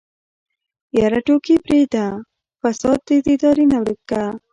يره ټوکې پرېده فساد دې د ادارې نه ورک که.